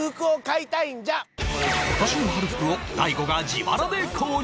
今年の春服を大悟が自腹で購入！